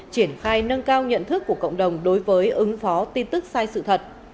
triển khai nâng cao nhận thức của cộng đồng đối với ứng phó tin tức sai sự thật